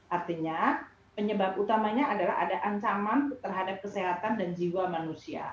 artinya penyebab utamanya adalah ada ancaman terhadap kesehatan dan jiwa manusia